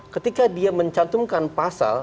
ketika dia mencantumkan pasal